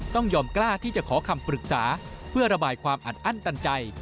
ต้องยอมกล้าที่จะขอคำปรึกษาเพื่อระบายความอัดอั้นตันใจ